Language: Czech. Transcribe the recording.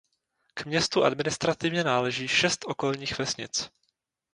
K městu administrativně náleží šest okolních vesnic.